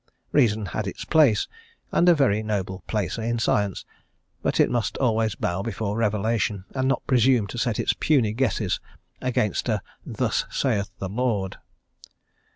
Reason had its place, and a very noble placer in science; but it must always bow before revelation, and not presume to set its puny guesses against a "thus sayeth the Lord."